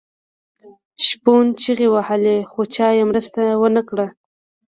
شپون چیغې وهلې خو چا یې مرسته ونه کړه.